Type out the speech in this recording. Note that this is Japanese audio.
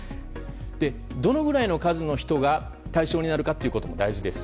どのくらいの数の人が対象になるかも大事です。